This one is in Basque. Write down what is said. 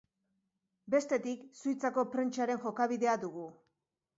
Bestetik, Suitzako prentsaren jokabidea dugu.